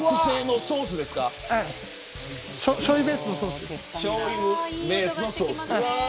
しょうゆベースのソースです。